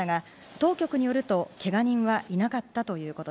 当局によると、けが人はいなかったということです。